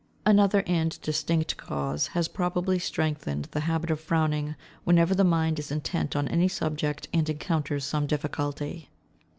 Another and distinct cause has probably strengthened the habit of frowning, whenever the mind is intent on any subject and encounters some difficulty.